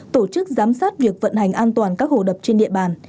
tổ chức giám sát việc vận hành an toàn các hồ đập trên địa bàn